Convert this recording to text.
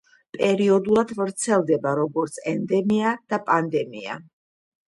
პერიოდულად ვრცელდება როგორც ენდემია და პანდემია.